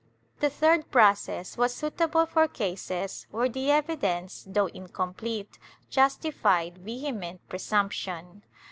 The third process was suitable for cases where the evidence, though incomplete, justified vehement presumption.